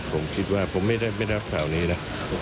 ผมคิดว่าผมไม่ได้รับข่าวนี้นะ